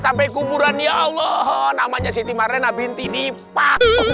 sampai kuburan ya allah namanya siti marlena binti dipak